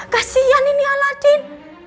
kasian ini aladin